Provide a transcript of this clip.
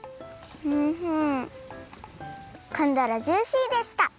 かんだらジューシーでした！